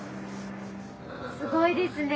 すごいですね